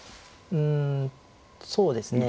うんそうですね。